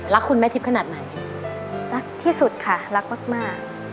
คุณแม่ทิพย์ขนาดไหนรักที่สุดค่ะรักมาก